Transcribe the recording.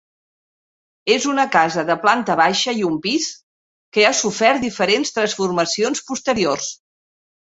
És una casa de planta baixa i un pis, que ha sofert diferents transformacions posteriors.